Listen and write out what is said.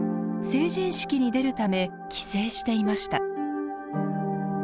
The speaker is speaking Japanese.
成人式に出るため帰省していました。